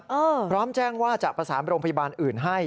พร้อมแจ้งว่าจะประสานโรงพยาบาลอื่นให้